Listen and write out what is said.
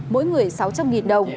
mỗi người sáu trăm linh đồng